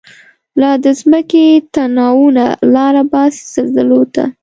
لا د مځکی تناوونه، لاره باسی زلزلوته